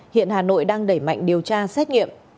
hiện hà nội đang đẩy mạnh điều tra xét nghiệm